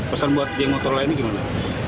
pesan buat geng motor lainnya gimana